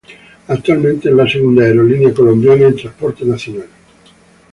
Actualmente es la segunda aerolínea colombiana en transporte nacional.